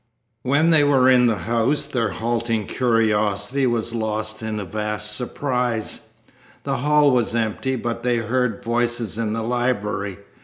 When they were in the house their halting curiosity was lost in a vast surprise. The hall was empty but they heard voices in the library.